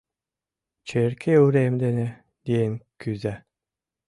Черке урем дене еҥ кӱза.